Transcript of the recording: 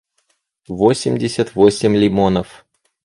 восемьдесят восемь лимонов